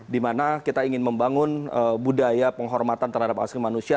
di mana kita ingin membangun budaya penghormatan terhadap hak asli manusia